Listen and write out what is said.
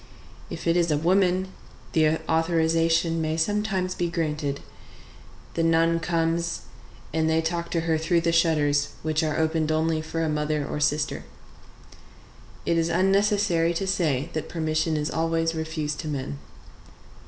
If it is a woman, the authorization may sometimes be granted; the nun comes, and they talk to her through the shutters, which are opened only for a mother or sister. It is unnecessary to say that permission is always refused to men.